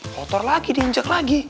kotor lagi diinjak lagi